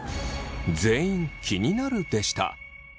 全員「気になる」でした。